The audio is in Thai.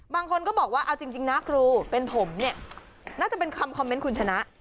บางคนก็บอกว่าเอาจริงนะครูเป็นผมเนี่ยน่าจะเป็นคำคอมเมนต์คุณชนะ